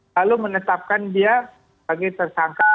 lalu menetapkan dia sebagai tersangka